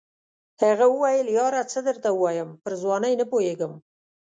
هغه وویل یاره څه درته ووایم پر ځوانۍ نه پوهېږم.